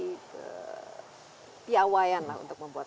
kepiawaan lah untuk membuat